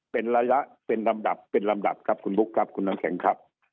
เป็นระยะเป็นลำดับเป็นลำดับครับคุณบุ๊คครับคุณน้ำแข็งครับ